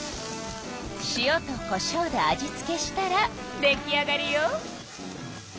塩とこしょうで味付けしたら出来上がりよ。